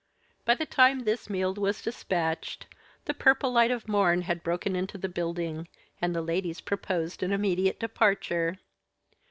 By the time this meal was dispatched, the purple light of morn had broken into the building, and the ladies proposed an immediate departure.